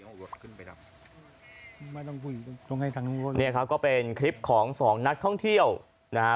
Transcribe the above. ไม่ต้องคุยตรงให้ทั้งคนเนี่ยครับก็เป็นคลิปของสองนักท่องเที่ยวนะฮะ